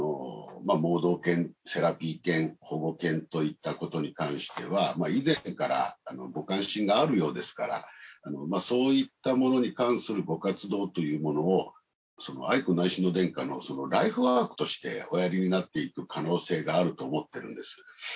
盲導犬セラピー犬保護犬といったことに関しては以前からご関心があるようですからそういったものに関するご活動というものを愛子内親王殿下のライフワークとしておやりになっていく可能性があると思ってるんです。